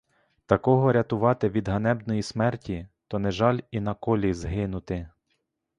Такого рятувати від ганебної смерті, то не жаль і на колі згинути.